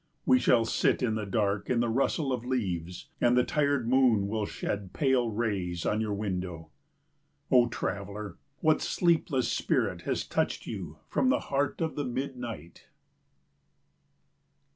We shall sit still in the dark in the rustle of leaves, and the tired moon will shed pale rays on your window. O traveller, what sleepless spirit has touched you from the heart of the mid night?